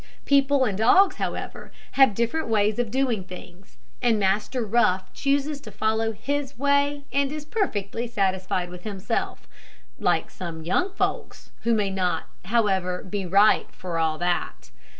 People and dogs, however, have different ways of doing things, and Master Rough chooses to follow his way, and is perfectly satisfied with himself like some young folks, who may not, however, be right for all that.